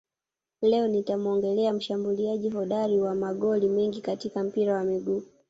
Leo nitamuongelea mshambuliaji hodari wa magoli mengi katika mpira wa miguu